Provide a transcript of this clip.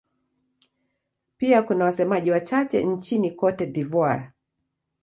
Pia kuna wasemaji wachache nchini Cote d'Ivoire.